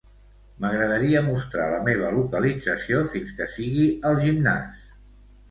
M'agradaria mostrar la meva localització fins que sigui al gimnàs.